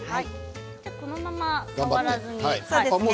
このまま触らずに。